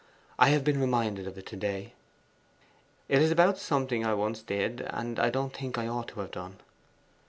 I have been reminded of it to day. It is about something I once did, and don't think I ought to have done.